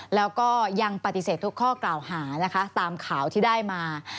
แล้วก็ยังปฏิเสธทุกข้อกล่าวหานะคะตามข่าวที่ได้มา